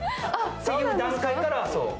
そういう段階から。